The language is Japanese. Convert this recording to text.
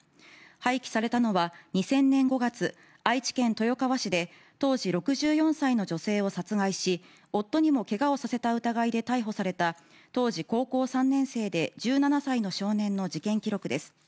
廃棄されたのは２０００年５月愛知県豊川市で当時６４歳の女性を殺害し夫にも怪我をさせた疑いで逮捕された当時高校３年生で１７歳の少年の事件記録です